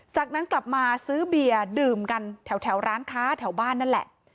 จากนั้นกลับมาซื้อเบียร์ดื่มกันแถวร้านค้าแถวบ้านนั่นแหละ